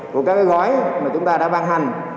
của các gói mà chúng ta đã ban hành